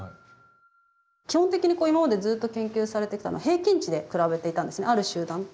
基本的に今までずっと研究されてきたのは平均値で比べていたんですね。